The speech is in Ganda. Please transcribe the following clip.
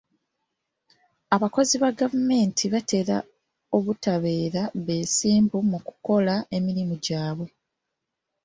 Abakozi ba gavumenti batera obutabeera beesimbu mu kukola emirimu gyabwe.